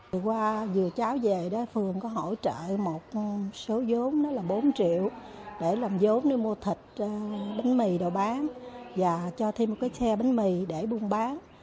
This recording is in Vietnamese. vừa qua vừa cháu về phường có hỗ trợ một số vốn là bốn triệu để làm vốn để mua thịt bánh mì đồ bán và cho thêm một cái xe bánh mì để buôn bán